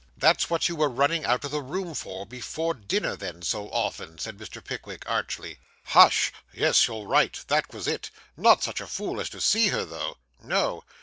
'That's what you were running out of the room for, before dinner, then, so often,' said Mr. Pickwick archly. 'Hush! Yes, you're right, that was it; not such a fool as to see her, though.' 'No!